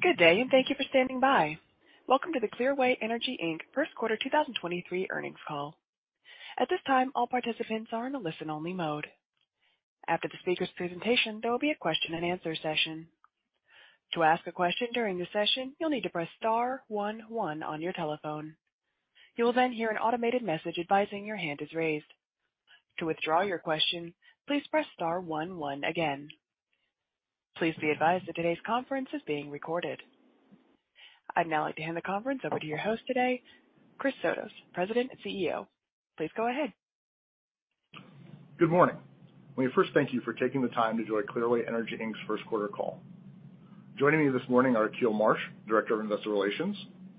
Good day, thank you for standing by. Welcome to the Clearway Energy, Inc First Quarter 2023 Earnings Call. At this time, all participants are in a listen-only mode. After the speaker's presentation, there will be a question-and-answer session. To ask a question during the session, you'll need to press star one one on your telephone. You will hear an automated message advising your hand is raised. To withdraw your question, please press star one one again. Please be advised that today's conference is being recorded. I'd now like to hand the conference over to your host today, Chris Sotos, President and CEO. Please go ahead. Good morning. Let me first thank you for taking the time to join Clearway Energy, Inc's first quarter call. Joining me this morning are Akil Marsh, Director of Investor Relations,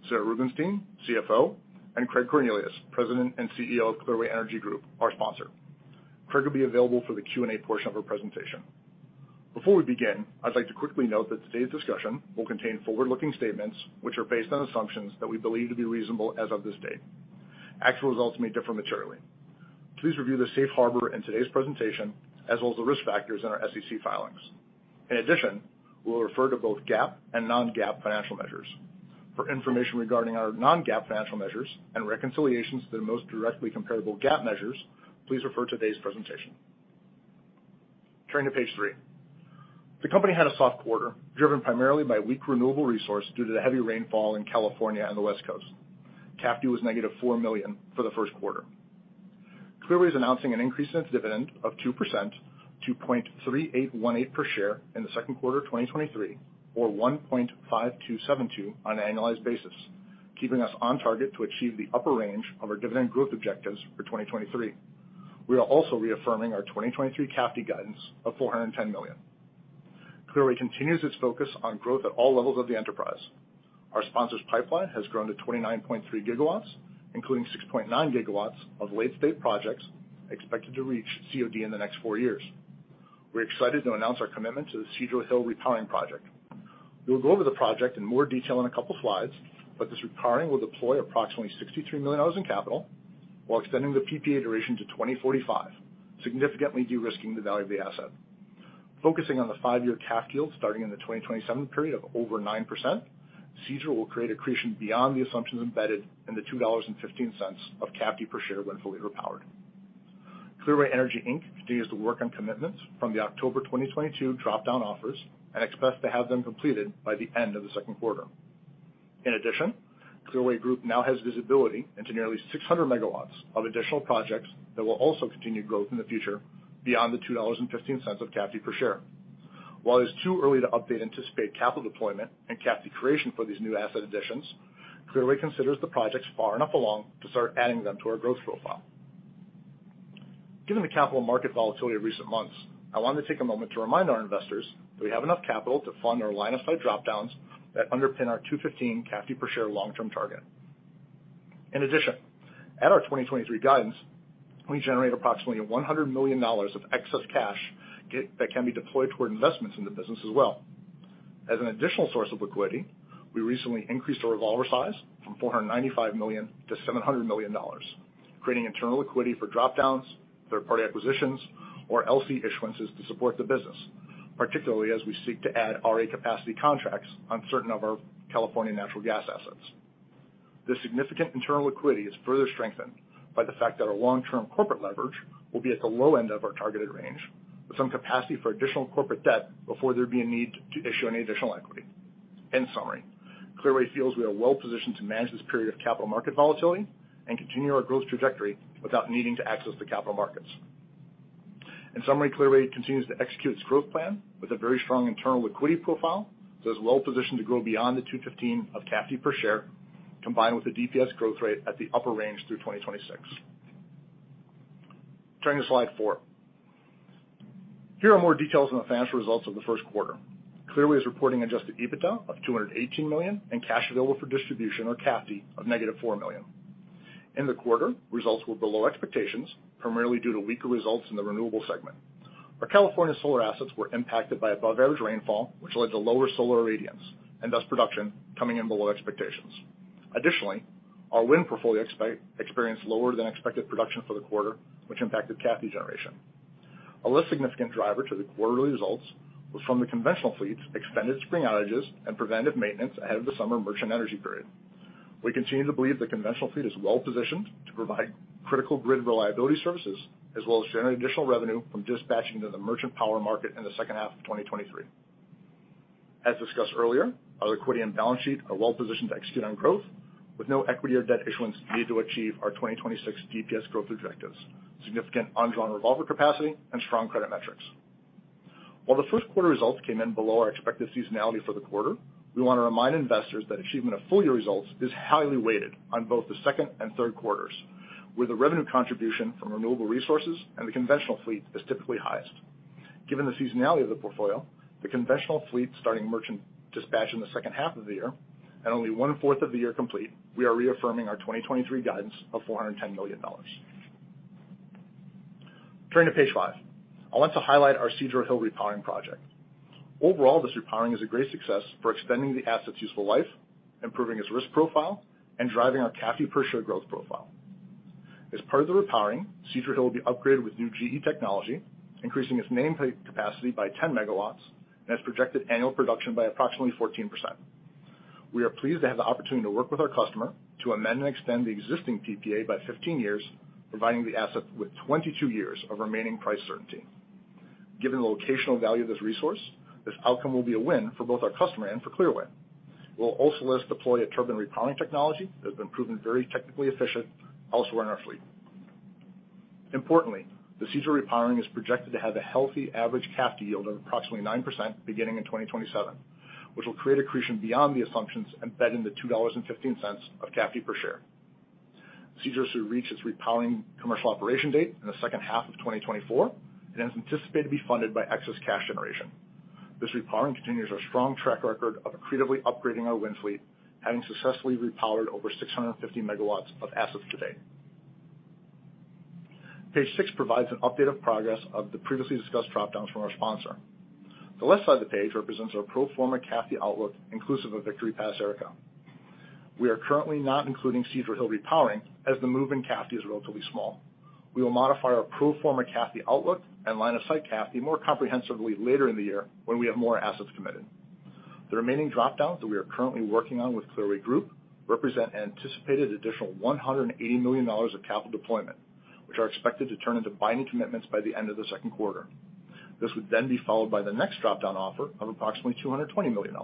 Sarah Rubenstein, CFO, and Craig Cornelius, President and CEO of Clearway Energy Group, our sponsor. Craig will be available for the Q&A portion of our presentation. Before we begin, I'd like to quickly note that today's discussion will contain forward-looking statements which are based on assumptions that we believe to be reasonable as of this date. Actual results may differ materially. Please review the Safe Harbor in today's presentation, as well as the risk factors in our SEC filings. In addition, we will refer to both GAAP and non-GAAP financial measures. For information regarding our non-GAAP financial measures and reconciliations to the most directly comparable GAAP measures, please refer to today's presentation. Turning to Page three. The company had a soft quarter, driven primarily by weak renewable resource due to the heavy rainfall in California and the West Coast. CAFD was $-4 million for the first quarter. Clearway is announcing an increase in its dividend of 2% to $0.3818 per share in the second quarter of 2023, or $1.5272 on an annualized basis, keeping us on target to achieve the upper range of our dividend growth objectives for 2023. We are also reaffirming our 2023 CAFD guidance of $410 million. Clearway continues its focus on growth at all levels of the enterprise. Our sponsor's pipeline has grown to 29.3 GW, including 6.9 GW of late-stage projects expected to reach COD in the next four years. We're excited to announce our commitment to the Cedro Hill repowering project. We will go over the project in more detail in a couple slides, but this repowering will deploy approximately $63 million in capital while extending the PPA duration to 2045, significantly de-risking the value of the asset. Focusing on the five-year CAFD yield starting in the 2027 period of over 9%, Cedro will create accretion beyond the assumptions embedded in the $2.15 of CAFD per share when fully repowered. Clearway Energy, Inc continues to work on commitments from the October 2022 drop-down offers and expects to have them completed by the end of the second quarter. Clearway Group now has visibility into nearly 600 MW of additional projects that will also continue growth in the future beyond the $2.15 of CAFD per share. Too early to update anticipated capital deployment and CAFD creation for these new asset additions, Clearway considers the projects far enough along to start adding them to our growth profile. The capital market volatility of recent months, I wanted to take a moment to remind our investors that we have enough capital to fund our line of sight drop-downs that underpin our $2.15 CAFD per share long-term target. At our 2023 guidance, we generate approximately $100 million of excess cash that can be deployed toward investments in the business as well. As an additional source of liquidity, we recently increased our revolver size from $495 million-$700 million, creating internal liquidity for drop-downs, third-party acquisitions, or LC issuances to support the business, particularly as we seek to add RA capacity contracts on certain of our California natural gas assets. This significant internal liquidity is further strengthened by the fact that our long-term corporate leverage will be at the low end of our targeted range with some capacity for additional corporate debt before there'd be a need to issue any additional equity. In summary, Clearway feels we are well-positioned to manage this period of capital market volatility and continue our growth trajectory without needing to access the capital markets. In summary, Clearway continues to execute its growth plan with a very strong internal liquidity profile that is well positioned to grow beyond the 215 of CAFD per share, combined with the DPS growth rate at the upper range through 2026. Turning to Slide four. Here are more details on the financial results of the first quarter. Clearway is reporting Adjusted EBITDA of $218 million and cash available for distribution, or CAFD, of $-4 million. In the quarter, results were below expectations, primarily due to weaker results in the renewables segment. Our California solar assets were impacted by above-average rainfall, which led to lower solar irradiance and thus production coming in below expectations. Our wind portfolio experienced lower than expected production for the quarter, which impacted CAFD generation. A less significant driver to the quarterly results was from the conventional fleet's extended spring outages and preventive maintenance ahead of the summer merchant energy period. We continue to believe the conventional fleet is well-positioned to provide critical grid reliability services as well as generate additional revenue from dispatching to the merchant power market in the second half of 2023. As discussed earlier, our liquidity and balance sheet are well positioned to execute on growth with no equity or debt issuance need to achieve our 2026 DPS growth objectives, significant undrawn revolver capacity, and strong credit metrics. While the first quarter results came in below our expected seasonality for the quarter, we want to remind investors that achievement of full year results is highly weighted on both the second and third quarters, where the revenue contribution from renewable resources and the conventional fleet is typically highest. Given the seasonality of the portfolio, the conventional fleet starting merchant dispatch in the second half of the year and only 1/4 of the year complete, we are reaffirming our 2023 guidance of $410 million. Turning to Page five. I want to highlight our Cedro Hill repowering project. This repowering is a great success for extending the asset's useful life, improving its risk profile, and driving our CAFD per share growth profile. As part of the repowering, Cedro Hill will be upgraded with new GE technology, increasing its nameplate capacity by 10 MW and its projected annual production by approximately 14%. We are pleased to have the opportunity to work with our customer to amend and extend the existing PPA by 15 years, providing the asset with 22 years of remaining price certainty. Given the locational value of this resource, this outcome will be a win for both our customer and for Clearway. It will also let us deploy a turbine repowering technology that has been proven very technically efficient elsewhere in our fleet. Importantly, the Cedar repowering is projected to have a healthy average CAFD yield of approximately 9% beginning in 2027, which will create accretion beyond the assumptions embedded in the $2.15 of CAFD per share. Cedar will soon reach its repowering commercial operation date in the second half of 2024, and is anticipated to be funded by excess cash generation. This repowering continues our strong track record of accretively upgrading our wind fleet, having successfully repowered over 650 MW of assets to date. Page six provides an update of progress of the previously discussed drop-downs from our sponsor. The left side of the page represents our pro forma CAFD outlook, inclusive of Victory Pass, Arica. We are currently not including Cedro Hill repowering, as the move in CAFD is relatively small. We will modify our pro forma CAFD outlook and line of sight CAFD more comprehensively later in the year when we have more assets committed. The remaining drop-downs that we are currently working on with Clearway Group represent anticipated additional $180 million of capital deployment, which are expected to turn into binding commitments by the end of the second quarter. This would then be followed by the next drop-down offer of approximately $220 million.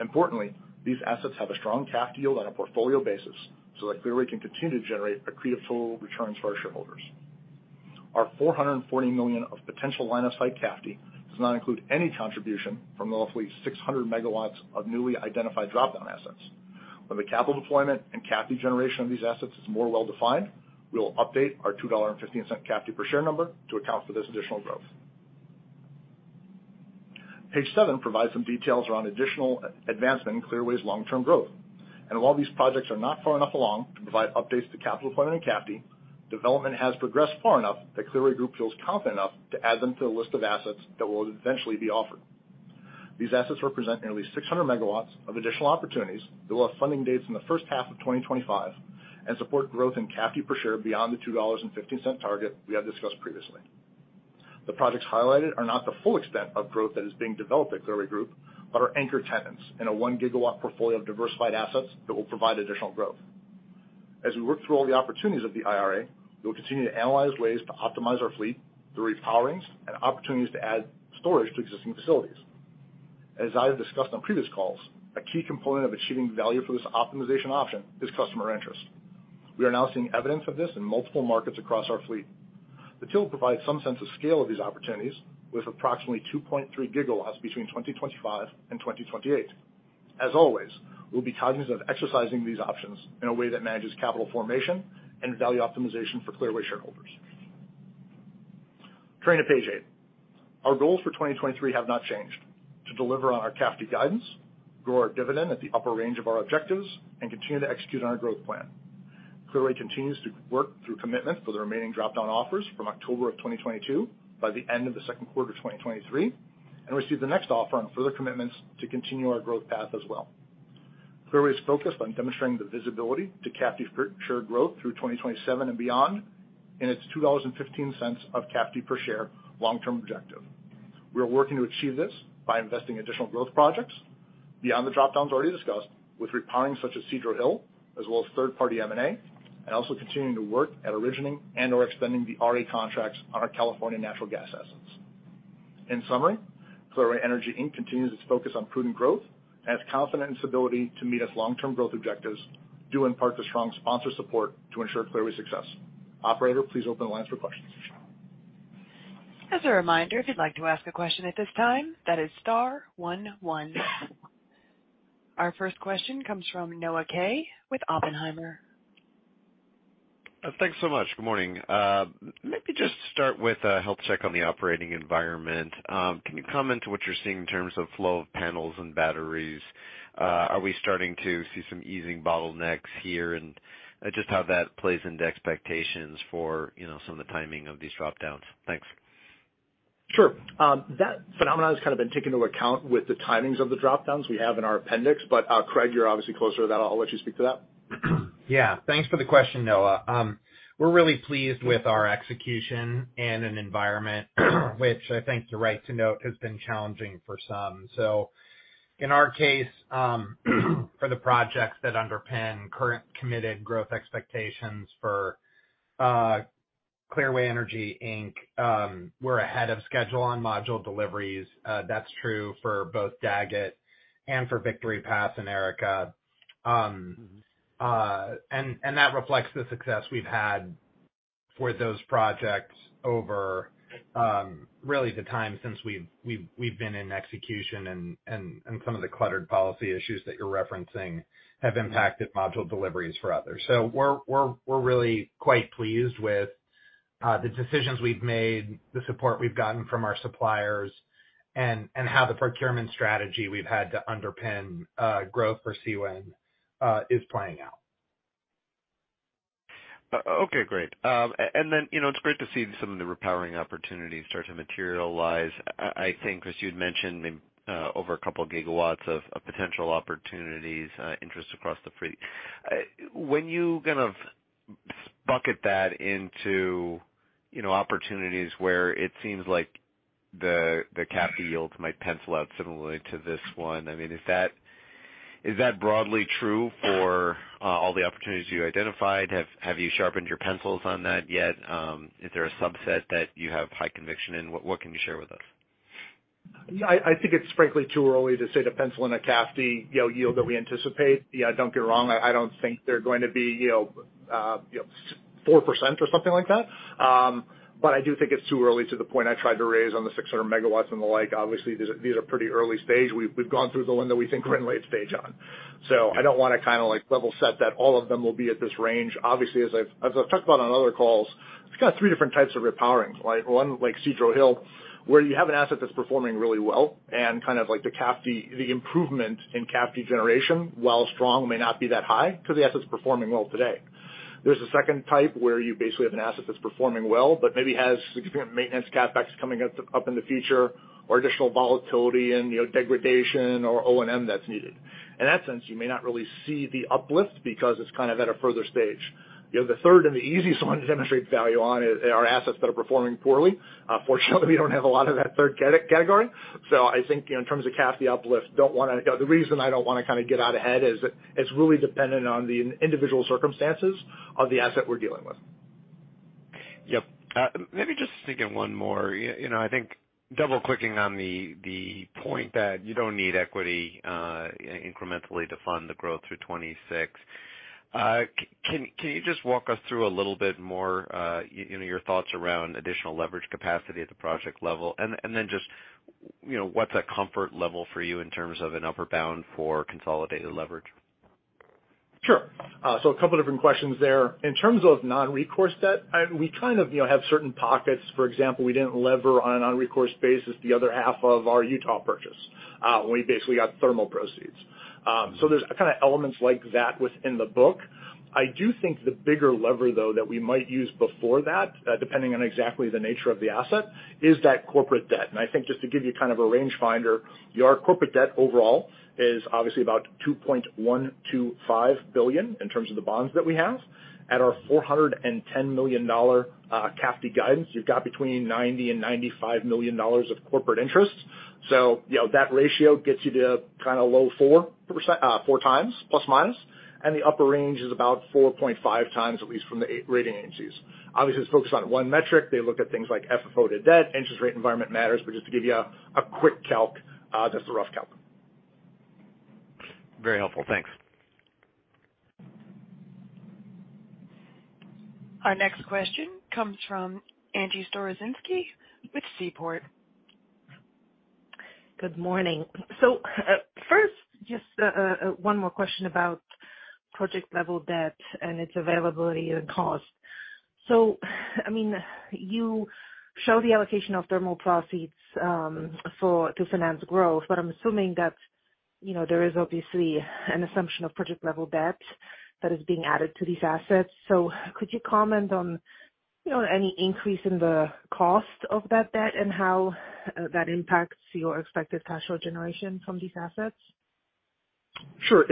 Importantly, these assets have a strong CAFD yield on a portfolio basis, so that Clearway can continue to generate accretive full returns for our shareholders. Our $440 million of potential line of sight CAFD does not include any contribution from the roughly 600 MW of newly identified drop-down assets. When the capital deployment and CAFD generation of these assets is more well-defined, we will update our $2.15 CAFD per share number to account for this additional growth. Page seven provides some details around additional advancement in Clearway's long-term growth. While these projects are not far enough along to provide updates to capital deployment and CAFD, development has progressed far enough that Clearway Group feels confident enough to add them to the list of assets that will eventually be offered. These assets represent nearly 600 MW of additional opportunities that will have funding dates in the first half of 2025 and support growth in CAFD per share beyond the $2.15 target we have discussed previously. The projects highlighted are not the full extent of growth that is being developed at Clearway Energy Group, but are anchor tenants in a 1 GW portfolio of diversified assets that will provide additional growth. As we work through all the opportunities of the IRA, we will continue to analyze ways to optimize our fleet through repowerings and opportunities to add storage to existing facilities. As I have discussed on previous calls, a key component of achieving value for this optimization option is customer interest. We are now seeing evidence of this in multiple markets across our fleet. The table provides some sense of scale of these opportunities with approximately 2.3 GW between 2025 and 2028. As always, we'll be cognizant of exercising these options in a way that manages capital formation and value optimization for Clearway shareholders. Turning to Page eight. Our goals for 2023 have not changed. To deliver on our CAFD guidance, grow our dividend at the upper range of our objectives, and continue to execute on our growth plan. Clearway continues to work through commitments for the remaining drop-down offers from October of 2022 by the end of the second quarter of 2023, and receive the next offer on further commitments to continue our growth path as well. Clearway is focused on demonstrating the visibility to CAFD per share growth through 2027 and beyond in its $2.15 of CAFD per share long-term objective. We are working to achieve this by investing additional growth projects beyond the drop-downs already discussed with repowering such as Cedro Hill, as well as third-party M&A, and also continuing to work at originating and/or extending the RA contracts on our California natural gas assets. In summary, Clearway Energy, Inc continues its focus on prudent growth and has confidence in its ability to meet its long-term growth objectives, due in part to strong sponsor support to ensure Clearway's success. Operator, please open the line for questions. As a reminder, if you'd like to ask a question at this time, that is star one one. Our first question comes from Noah Kaye with Oppenheimer. Thanks so much. Good morning. Maybe just start with a health check on the operating environment. Can you comment what you're seeing in terms of flow of panels and batteries? Are we starting to see some easing bottlenecks here? Just how that plays into expectations for some of the timing of these drop-downs? Thanks. Sure. That phenomenon has kind of been taken into account with the timings of the drop-downs we have in our appendix. Craig, you're obviously closer to that. I'll let you speak to that. Yeah. Thanks for the question, Noah. We're really pleased with our execution in an environment which I think you're right to note has been challenging for some. In our case, for the projects that underpin current committed growth expectations for Clearway Energy, Inc, we're ahead of schedule on module deliveries. That's true for both Daggett and for Victory Pass and Arica. And that reflects the success we've had for those projects over really the time since we've been in execution and some of the cluttered policy issues that you're referencing have impacted module deliveries for others. We're really quite pleased with the decisions we've made, the support we've gotten from our suppliers, and how the procurement strategy we've had to underpin growth for CWEN is playing out. Okay, great. You know, it's great to see some of the repowering opportunities start to materialize. As you'd mentioned, over 2 GW of potential opportunities, interest across the fleet. When you bucket that into, you know, opportunities where it seems like the CAFD yields might pencil out similarly to this one. I mean, is that broadly true for all the opportunities you identified? Have you sharpened your pencils on that yet? Is there a subset that you have high conviction in? What can you share with us? I think it's frankly too early to say to pencil in a CAFD, you know, yield that we anticipate. Don't get me wrong, I don't think they're going to be, you know, 4% or something like that. I do think it's too early to the point I tried to raise on the 600 MW and the like. These are pretty early stage. We've gone through the one that we think we're in late stage on. I don't wanna kind of like level set that all of them will be at this range. As I've talked about on other calls, it's got three different types of repowering. Like one, like Cedro Hill, where you have an asset that's performing really well and kind of like the CAFD, the improvement in CAFD generation, while strong, may not be that high because the asset's performing well today. There's a second type where you basically have an asset that's performing well, but maybe has significant maintenance CapEx coming up in the future or additional volatility and, you know, degradation or O&M that's needed. In that sense, you may not really see the uplift because it's kind of at a further stage. You know, the third and the easiest one to demonstrate value on are assets that are performing poorly. Fortunately, we don't have a lot of that third category. I think in terms of CAFD uplift, don't wanna... You know, the reason I don't wanna kind of get out ahead is it's really dependent on the individual circumstances of the asset we're dealing with. Yep. Maybe just thinking one more. You know, I think double-clicking on the point that you don't need equity, incrementally to fund the growth through 2026. Can you just walk us through a little bit more, you know, your thoughts around additional leverage capacity at the project level? Then just, you know, what's a comfort level for you in terms of an upper bound for consolidated leverage? Sure. A couple different questions there. In terms of non-recourse debt, we kind of, you know, have certain pockets. For example, we didn't lever on a non-recourse basis the other half of our Utah purchase, when we basically got thermal proceeds. There's kinda elements like that within the book. I do think the bigger lever, though, that we might use before that, depending on exactly the nature of the asset, is that corporate debt. I think just to give you kind of a range finder, your corporate debt overall is obviously about $2.125 billion in terms of the bonds that we have. At our $410 million CAFD guidance, you've got between $90 million and $95 million of corporate interest. You know, that ratio gets you to kind of low 4%, 4x plus minus, and the upper range is about 4.5x, at least from the rating agencies. Obviously, it's focused on one metric. They look at things like FFO to debt, interest rate environment matters. Just to give you a quick calc, that's the rough calc. Very helpful. Thanks. Our next question comes from Angie Storozynski with Seaport. Good morning. First, just one more question about project-level debt and its availability and cost. I mean, you show the allocation of thermal proceeds to finance growth, but I'm assuming that, you know, there is obviously an assumption of project-level debt that is being added to these assets. Could you comment on, you know, any increase in the cost of that debt and how that impacts your expected cash flow generation from these assets? Sure.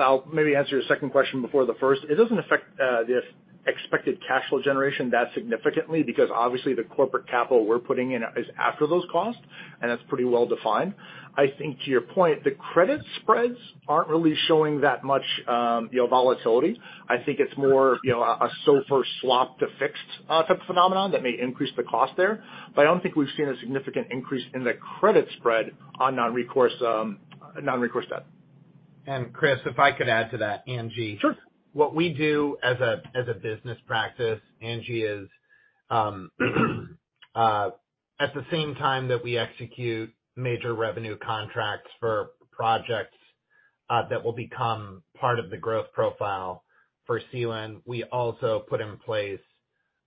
I'll maybe answer your second question before the first. It doesn't affect the expected cash flow generation that significantly, because obviously the corporate capital we're putting in is after those costs, and that's pretty well defined. I think to your point, the credit spreads aren't really showing that much, you know, volatility. I think it's more, you know, a SOFR swap to fixed type of phenomenon that may increase the cost there. I don't think we've seen a significant increase in the credit spread on non-recourse debt. Chris, if I could add to that, Angie. Sure. What we do as a business practice, Angie Storozynski, is at the same time that we execute major revenue contracts for projects that will become part of the growth profile for CWEN, we also put in place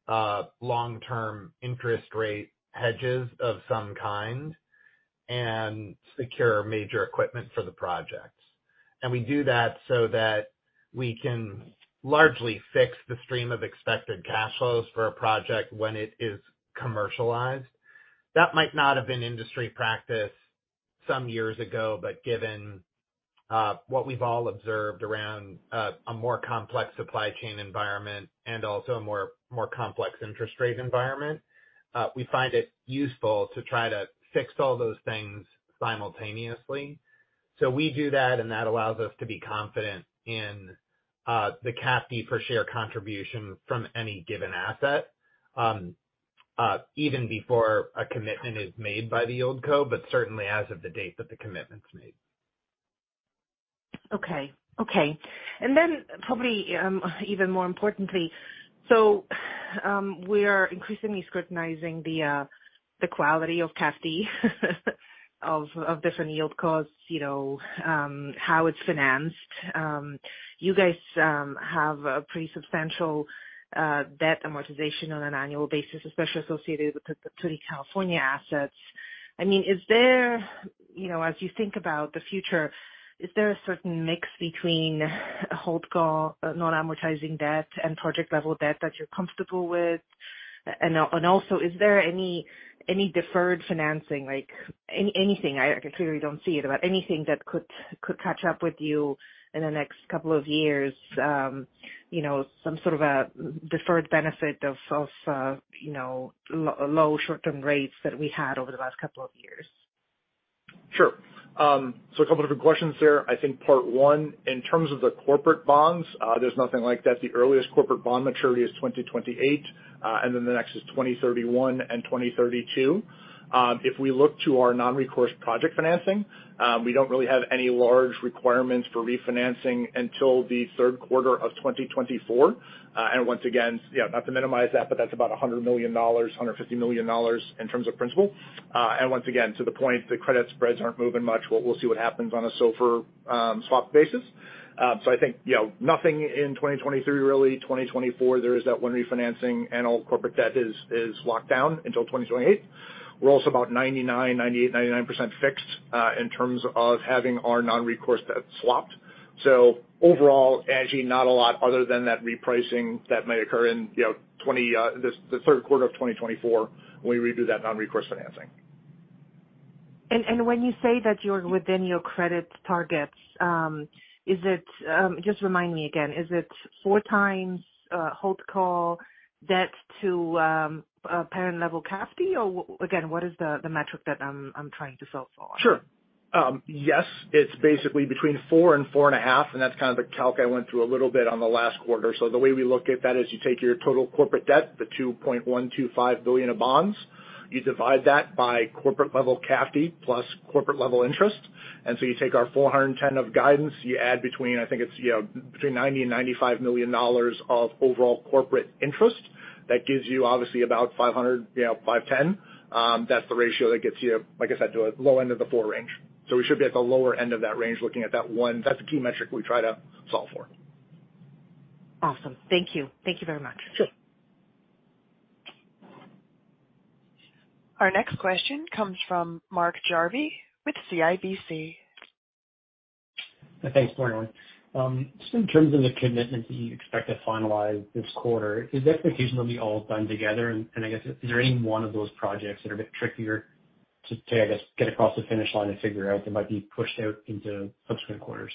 long-term interest rate hedges of some kind and secure major equipment for the projects. We do that so that we can largely fix the stream of expected cash flows for a project when it is commercialized. That might not have been industry practice some years ago, but given what we've all observed around a more complex supply chain environment and also a more complex interest rate environment, we find it useful to try to fix all those things simultaneously. we do that, and that allows us to be confident in the CAFD per share contribution from any given asset, even before a commitment is made by the YieldCo, but certainly as of the date that the commitment's made. Okay. Okay. Probably even more importantly, we are increasingly scrutinizing the quality of CAFD of different yield costs, you know, how it's financed. You guys have a pretty substantial debt amortization on an annual basis, especially associated with the California assets. I mean, is there, you know, as you think about the future, is there a certain mix between hold co non-amortizing debt and project-level debt that you're comfortable with? Is there any deferred financing, like anything, I clearly don't see it, but anything that could catch up with you in the next couple of years, some sort of a deferred benefit of low short-term rates that we had over the last couple of years? Sure. A couple of different questions there. I think part one, in terms of the corporate bonds, there's nothing like that. The earliest corporate bond maturity is 2028, the next is 2031 and 2032. If we look to our non-recourse project financing, we don't really have any large requirements for refinancing until the third quarter of 2024. Once again, yeah, not to minimize that, but that's about $100 million, $150 million in terms of principal. Once again, to the point, the credit spreads aren't moving much. We'll see what happens on a SOFR swap basis. I think, you know, nothing in 2023 really. 2024 there is that one refinancing and all corporate debt is locked down until 2028. We're also about 99%, 98%, 99% fixed in terms of having our non-recourse debt swapped. Overall, Angie, not a lot other than that repricing that may occur in, you know, the third quarter of 2024 when we redo that non-recourse financing. When you say that you're within your credit targets, Just remind me again, is it 4x hold co debt to parent level CAFD? Or again, what is the metric that I'm trying to solve for? Sure. Yes, it's basically between four and 4.5, and that's kind of the calc I went through a little bit on the last quarter. The way we look at that is you take your total corporate debt, the $2.125 billion of bonds. You divide that by corporate level CAFD plus corporate level interest. You take our $410 of guidance, you add between, I think it's, you know, between $90 million and $95 million of overall corporate interest. That gives you obviously about $500, you know, $510. That's the ratio that gets you, like I said, to a low end of the 4 range. We should be at the lower end of that range looking at that one. That's the key metric we try to solve for. Awesome. Thank you. Thank you very much. Sure. Our next question comes from Mark Jarvi with CIBC. Thanks. Morning. Just in terms of the commitment that you expect to finalize this quarter, is the expectation it'll be all done together? I guess is there any one of those projects that are a bit trickier to, I guess, get across the finish line and figure out that might be pushed out into subsequent quarters?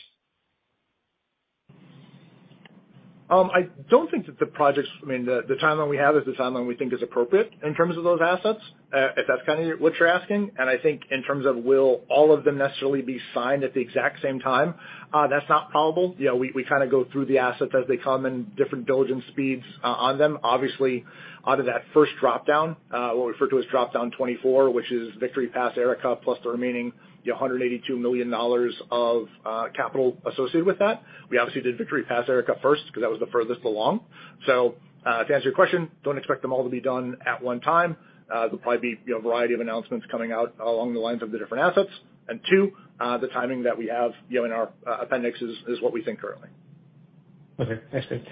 I don't think that the projects... I mean, the timeline we have is the timeline we think is appropriate in terms of those assets, if that's kind of what you're asking. I think in terms of will all of them necessarily be signed at the exact same time, that's not probable. You know, we kinda go through the assets as they come and different diligence speeds on them. Obviously, out of that first drop-down, what we refer to as drop-down 24, which is Victory Pass, Arica, plus the remaining, you know, $182 million of capital associated with that. We obviously did Victory Pass, Arica first because that was the furthest along. To answer your question, don't expect them all to be done at one time. There'll probably be, you know, a variety of announcements coming out along the lines of the different assets. Two, the timing that we have, you know, in our appendix is what we think currently. Okay. Thanks, Dave.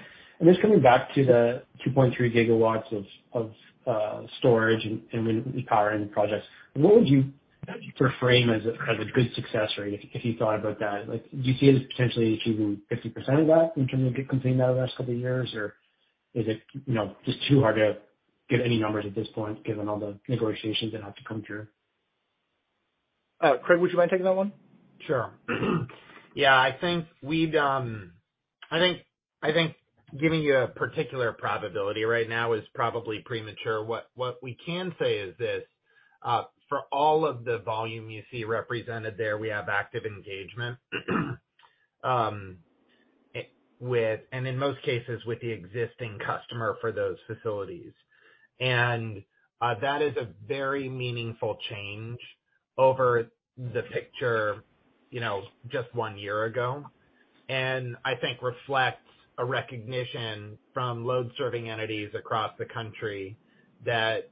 Just coming back to the 2.3 GW of storage and wind and power in the projects, what would you frame as a good success rate, if you thought about that? Like, do you see it as potentially achieving 50% of that in terms of completing that over the next couple of years? Or is it, you know, just too hard to get any numbers at this point, given all the negotiations that have to come through? Craig, would you mind taking that one? Sure. Yeah, I think we'd, I think giving you a particular probability right now is probably premature. What we can say is this. For all of the volume you see represented there, we have active engagement with, and in most cases with the existing customer for those facilities. That is a very meaningful change over the picture, you know, just one year ago, and I think reflects a recognition from load-serving entities across the country that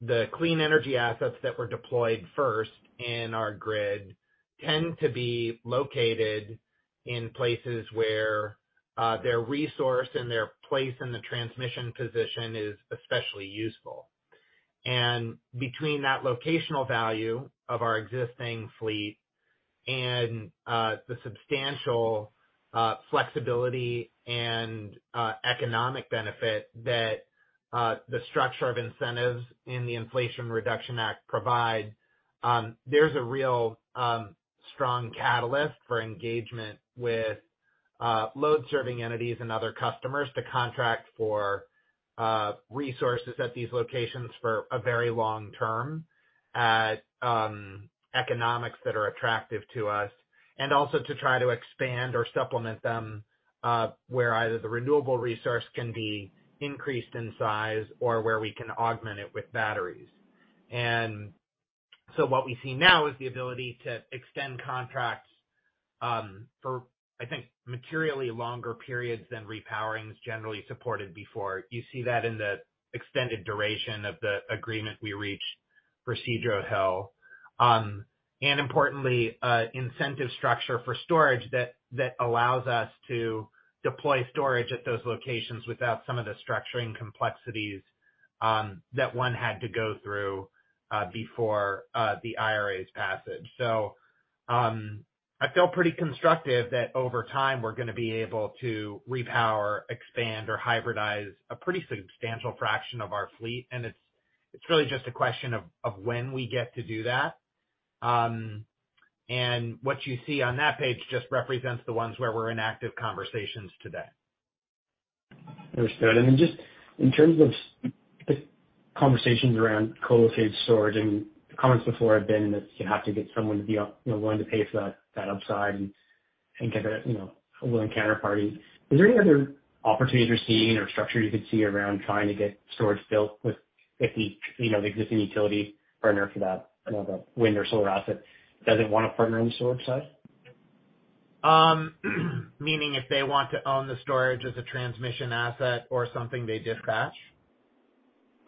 the clean energy assets that were deployed first in our grid tend to be located in places where their resource and their place in the transmission position is especially useful. Between that locational value of our existing fleet and the substantial flexibility and economic benefit that the structure of incentives in the Inflation Reduction Act provide, there's a real strong catalyst for engagement with load-serving entities and other customers to contract for resources at these locations for a very long term at economics that are attractive to us. Also to try to expand or supplement them where either the renewable resource can be increased in size or where we can augment it with batteries. What we see now is the ability to extend contracts for I think materially longer periods than repowering is generally supported before. You see that in the extended duration of the agreement we reached for Cedro Hill. Importantly, incentive structure for storage that allows us to deploy storage at those locations without some of the structuring complexities. That one had to go through before the IRA's passage. I feel pretty constructive that over time we're gonna be able to repower, expand or hybridize a pretty substantial fraction of our fleet. It's really just a question of when we get to do that. What you see on that page just represents the ones where we're in active conversations today. Understood. Just in terms of conversations around co-located storage, and the comments before have been that you have to get someone to be, you know, willing to pay for that upside and get a, you know, a willing counterparty. Is there any other opportunities you're seeing or structure you could see around trying to get storage built with the, you know, the existing utility partner for that, you know, the wind or solar asset that doesn't want to partner on the storage side? Meaning if they want to own the storage as a transmission asset or something they dispatch?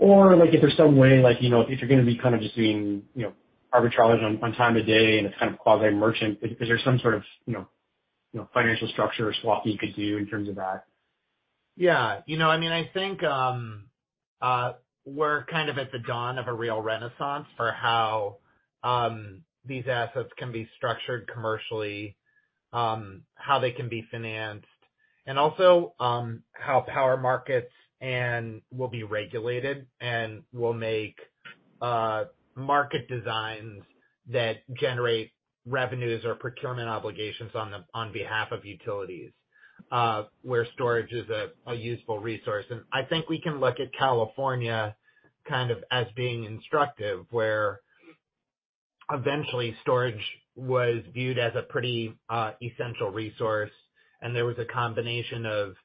Like if there's some way, like, you know, if you're gonna be kind of just doing, you know, arbitrage on time of day and it's kind of quasi merchant, is there some sort of, you know, you know, financial structure or swap you could do in terms of that? Yeah. You know, I mean, I think, we're kind of at the dawn of a real renaissance for how these assets can be structured commercially, how they can be financed. Also, how power markets and will be regulated and will make market designs that generate revenues or procurement obligations on behalf of utilities, where storage is a useful resource. I think we can look at California kind of as being instructive, where eventually storage was viewed as a pretty essential resource, and there was a combination of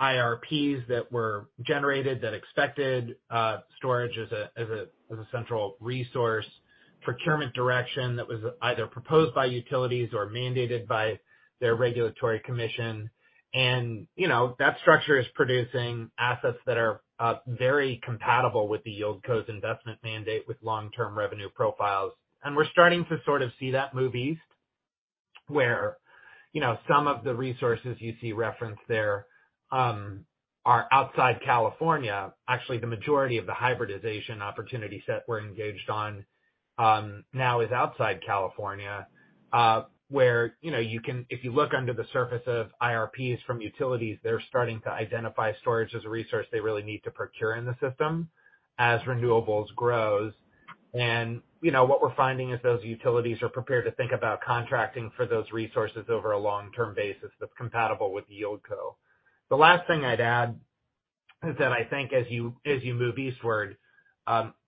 IRPs that were generated that expected storage as a central resource procurement direction that was either proposed by utilities or mandated by their regulatory commission. You know, that structure is producing assets that are very compatible with the YieldCo's investment mandate with long-term revenue profiles. We're starting to sort of see that move east, where, you know, some of the resources you see referenced there are outside California. Actually, the majority of the hybridization opportunity set we're engaged on now is outside California, where, you know, If you look under the surface of IRPs from utilities, they're starting to identify storage as a resource they really need to procure in the system as renewables grows. You know, what we're finding is those utilities are prepared to think about contracting for those resources over a long-term basis that's compatible with YieldCo. The last thing I'd add is that I think as you move eastward,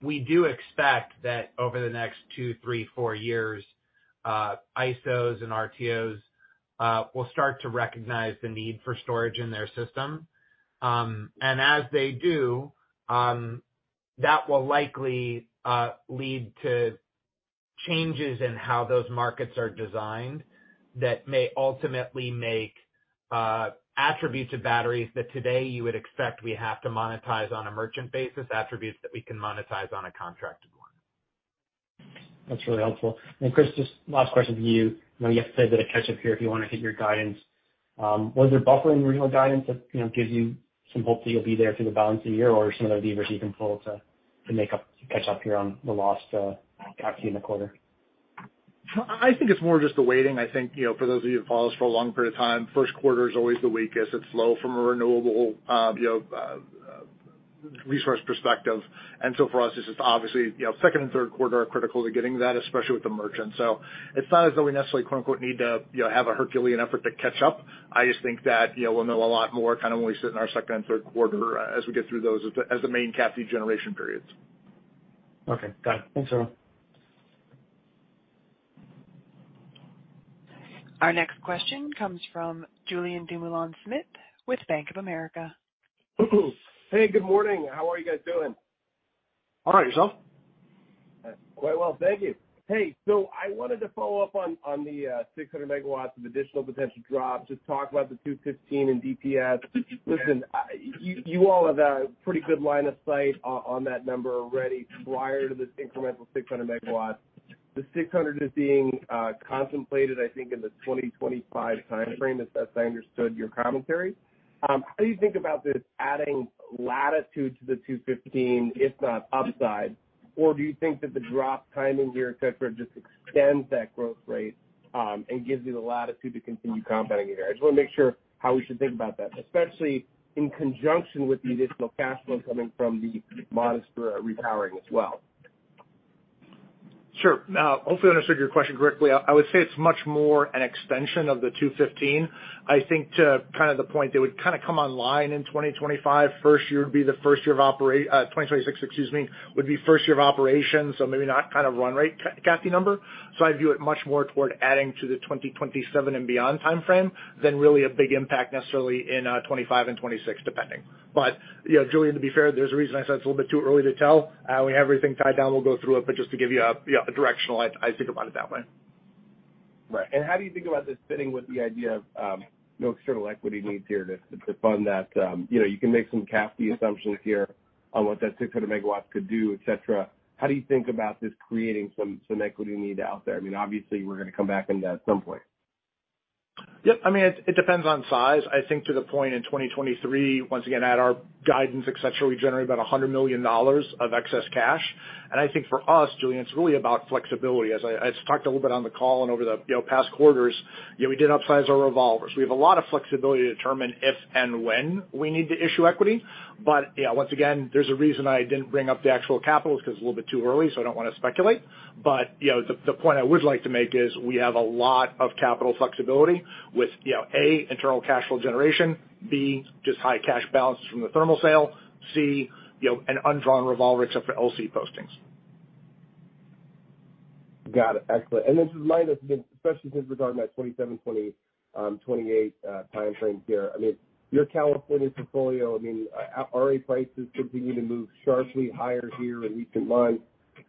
we do expect that over the next two, three, four years, ISOs and RTOs will start to recognize the need for storage in their system. As they do, that will likely lead to changes in how those markets are designed that may ultimately make attributes of batteries that today you would expect we have to monetize on a merchant basis, attributes that we can monetize on a contracted one. That's really helpful. Chris, just last question for you. I know you have to save a bit of catch up here if you wanna hit your guidance. Was there buffer in the renewal guidance that, you know, gives you some hope that you'll be there through the balance of the year or some other levers you can pull to make up, to catch up here on the lost CAFD in the quarter? I think it's more just the waiting. I think, you know, for those of you who follow us for a long period of time, first quarter is always the weakest. It's low from a renewable, you know, resource perspective. For us, it's just obviously, you know, second and third quarter are critical to getting that, especially with the merchant. It's not as though we necessarily quote-unquote, need to, you know, have a Herculean effort to catch up. I just think that, you know, we'll know a lot more kind of when we sit in our second and third quarter as we get through those as the main CAFD generation periods. Okay. Got it. Thanks, everyone. Our next question comes from Julien Dumoulin-Smith with Bank of America. Hey, good morning. How are you guys doing? All right. Yourself? Quite well. Thank you. Hey, I wanted to follow up on the 600 MW of additional potential drop. Just talk about the 215 in DPS. Listen, you all have a pretty good line of sight on that number already prior to this incremental 600 MW. The 600 is being contemplated, I think in the 2025 timeframe, as best I understood your commentary. How do you think about this adding latitude to the 215, if not upside? Do you think that the drop timing here, et cetera, just extends that growth rate and gives you the latitude to continue compounding here? I just wanna make sure how we should think about that, especially in conjunction with the additional cash flow coming from the modest repowering as well. Sure. Hopefully I understood your question correctly. I would say it's much more an extension of the 215. I think to kind of the point they would kind of come online in 2025. First year would be the first year of 2026, excuse me, would be first year of operations. Maybe not kind of run rate CAFD number. I view it much more toward adding to the 2027 and beyond timeframe than really a big impact necessarily in 25 and 26, depending. You know, Julien, to be fair, there's a reason I said it's a little bit too early to tell. When we have everything tied down, we'll go through it. Just to give you a, you know, a directional, I think about it that way. Right. How do you think about this fitting with the idea of no external equity needs here to fund that? You know, you can make some CAFD assumptions here on what that 600 MW could do, et cetera. How do you think about this creating some equity need out there? I mean, obviously we're gonna come back into that at some point. Yep. I mean, it depends on size. I think to the point in 2023, once again at our guidance, et cetera, we generate about $100 million of excess cash. I think for us, Julien, it's really about flexibility. As I talked a little bit on the call and over the, you know, past quarters, you know, we did upsize our revolvers. We have a lot of flexibility to determine if and when we need to issue equity. Yeah, once again, there's a reason I didn't bring up the actual capital because it's a little bit too early, so I don't wanna speculate. You know, the point I would like to make is we have a lot of capital flexibility with, you know, A, internal cash flow generation, B, just high cash balances from the thermal sale, C, you know, an undrawn revolver except for LC postings. Got it. Excellent. Just minus, again, especially since regarding that 2027, 20, 2028 timeframe here, I mean, your California portfolio, I mean, RA prices continue to move sharply higher here in recent months.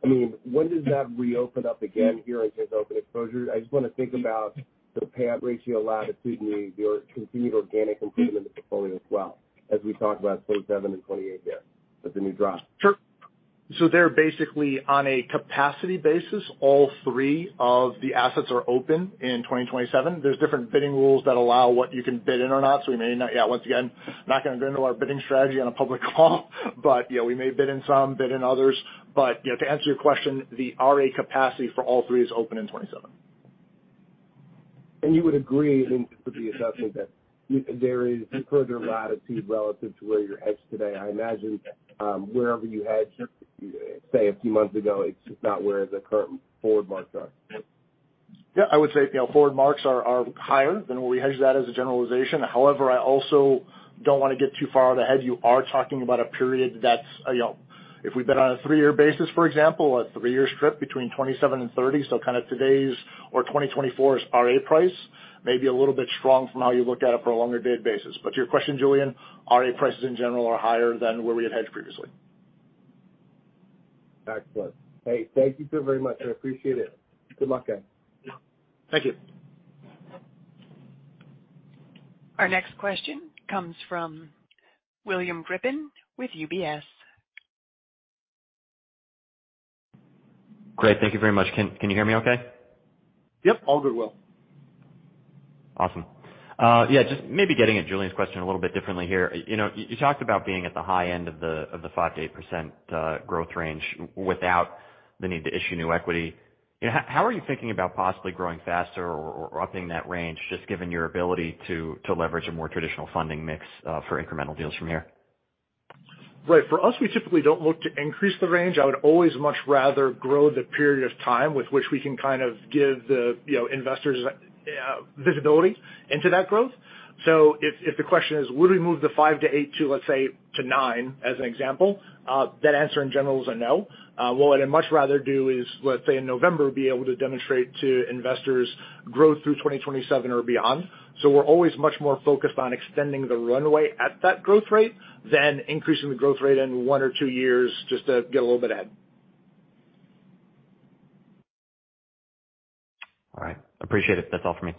I mean, when does that reopen up again here in terms of open exposures? I just wanna think about the payout ratio latitude and your continued organic improvement in the portfolio as well, as we talk about 2027 and 2028 there with the new drop. Sure. They're basically on a capacity basis. All three of the assets are open in 2027. There's different bidding rules that allow what you can bid in or not. We may not-- Yeah, once again, not gonna go into our bidding strategy on a public call. Yeah, we may bid in some, bid in others, but, you know, to answer your question, the RA capacity for all three is open in 2027. You would agree with the assessment that there is further latitude relative to where you're hedged today? I imagine, wherever you hedged, say, a few months ago, it's just not where the current forward marks are. Yeah, I would say, you know, forward marks are higher than where we hedged that as a generalization. I also don't wanna get too far out ahead. You are talking about a period that's, you know, if we bid on a three-year basis, for example, a three-year strip between 27 and 30, kind of today's or 2024's RA price may be a little bit strong from how you look at it for a longer date basis. To your question, Julien, RA prices in general are higher than where we had hedged previously. Excellent. Hey, thank you two very much. I appreciate it. Good luck, guys. Thank you. Our next question comes from William Grippin with UBS. Great. Thank you very much. Can you hear me okay? Yep, all good, Will. Awesome. Yeah, just maybe getting at Julien's question a little bit differently here. You know, you talked about being at the high end of the 5%-8% growth range without the need to issue new equity. How are you thinking about possibly growing faster or upping that range, just given your ability to leverage a more traditional funding mix for incremental deals from here? Right. For us, we typically don't look to increase the range. I would always much rather grow the period of time with which we can kind of give the, you know, investors visibility into that growth. If the question is, would we move the 5%-8% to, let's say, to 9% as an example, that answer in general is a no. What I'd much rather do is, let's say in November, be able to demonstrate to investors growth through 2027 or beyond. We're always much more focused on extending the runway at that growth rate than increasing the growth rate in one or two years just to get a little bit ahead. All right. Appreciate it. That's all for me.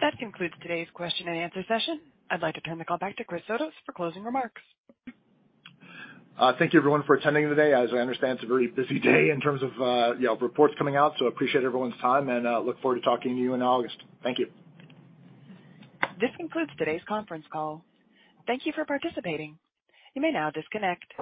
That concludes today's question and answer session. I'd like to turn the call back to Chris Sotos for closing remarks. Thank you everyone for attending today. As I understand, it's a very busy day in terms of, you know, reports coming out, so appreciate everyone's time, and look forward to talking to you in August. Thank you. This concludes today's conference call. Thank you for participating. You may now disconnect.